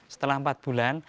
setelah empat bulan